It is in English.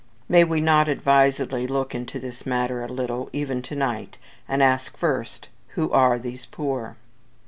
May we not advisedly look into this matter a little, even tonight, and ask first, Who are these poor?